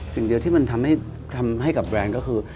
สิ่งเดียวที่มันทำให้กับแบรนด์ก็คือ